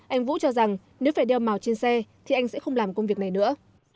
anh vũ cho rằng nếu phải đeo màu trên xe thì anh sẽ không làm công việc này nữa